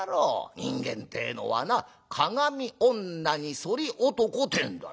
人間ってえのはな『かがみ女に反り男』ってんだよ。